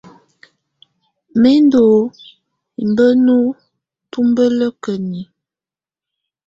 Mɛ ndɔ́ ibǝ́nu tubǝ́lǝkǝni.